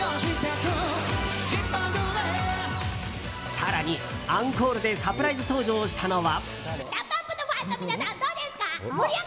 更に、アンコールでサプライズ登場したのは。